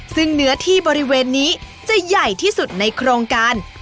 ซึ่งเนื้อที่บริเวณนี้จะใหญ่ที่สุดในโครงการ